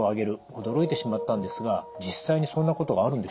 驚いてしまったんですが実際にそんなことがあるんでしょうか？